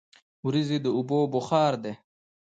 وریځې د اوبو بخار دي.